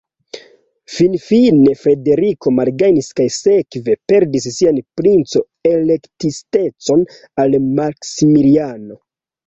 Finfine Frederiko malgajnis kaj sekve perdis sian princo-elektistecon al Maksimiliano.